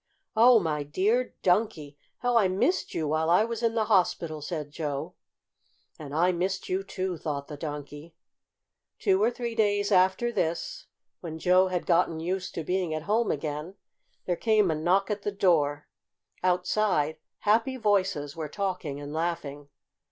"Oh, my dear Donkey! how I missed you while I was in the hospital," said Joe. "And I missed you, too," thought the Donkey. Two or three days after this, when Joe had gotten used to being at home again, there came a knock at the door. Outside happy voices were talking and laughing.